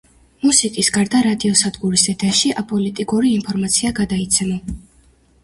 მუსიკის გარდა, რადიოსადგურის ეთერში აპოლიტიკური ინფორმაცია გადაიცემა.